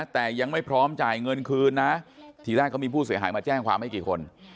แต่ยังไม่พร้อมจ่ายเงินคืนนะทีแรกเขามีผู้เสียหายมาแจ้งความไม่กี่คน